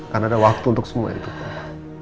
kan ada waktu untuk semua itu mak